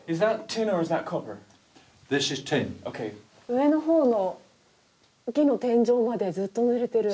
上の方の木の天井までずっとぬれてる。